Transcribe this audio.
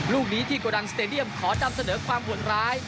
ลูกนี้ที่โกดังสเตดียมขอนำเสนอความหดร้าย